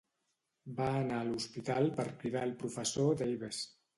Va anar a l'hospital per cridar al Professor Davis.